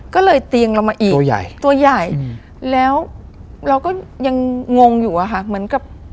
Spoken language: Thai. ก็เลยเตียงเรามาอีกตัวใหญ่ตัวใหญ่แล้วเราก็ยังงงอยู่อะค่ะเหมือนกับ